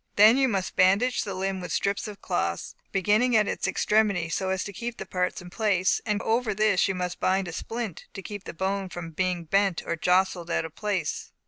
Then you must bandage the limb with strips of cloth, beginning at its extremity, so as to keep the parts in place; and over this you must bind a splint, to keep the bone from being bent or jostled out of place.